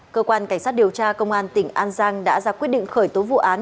cơ quan cảnh sát điều tra công an tỉnh an giang đã ra quyết định khởi tố vụ án